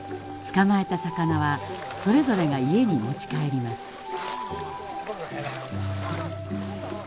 捕まえた魚はそれぞれが家に持ち帰ります。